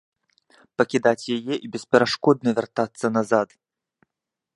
Пакідаць яе і бесперашкодна вяртацца назад.